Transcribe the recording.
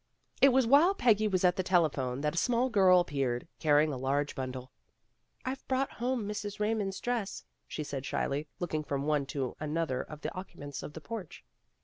It was while Peggy was at the telephone that a small girl appeared, carrying a large bundle. "I've brought home Mrs. Raymond's dress," she said shyly, looking from one to another of the occupants of the porch.